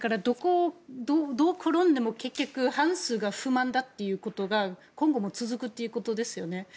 どこに転んでも結局、半数が不満だということが今後も続くということですよね。